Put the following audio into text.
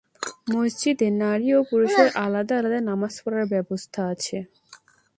মসজিদে নারী ও পুরুষের আলাদা আলাদা নামাজ পড়ার ব্যবস্থা আছে।